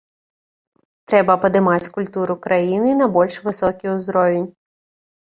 Трэба падымаць культуру краіны на больш высокі ўзровень.